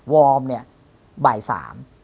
วอร์มเนี่ยบ่าย๓นะครับ